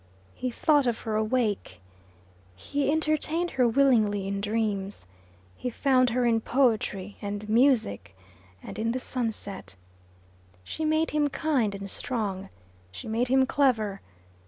He thought of her awake. He entertained her willingly in dreams. He found her in poetry and music and in the sunset. She made him kind and strong. She made him clever.